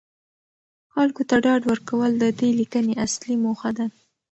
خلکو ته ډاډ ورکول د دې لیکنې اصلي موخه ده.